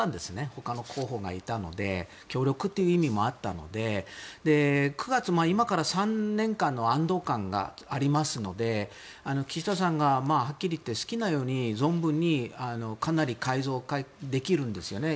ほかの候補がいたので協力という意味もあったので９月、今から３年間の安ど感がありますので岸田さんが、はっきり言って好きなように存分にかなり改造できるんですよね。